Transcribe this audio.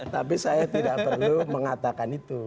tapi saya tidak perlu mengatakan itu